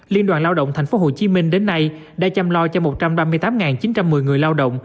liên đoàn lao động tp hcm đến nay đã chăm lo cho một trăm ba mươi tám chín trăm một mươi người lao động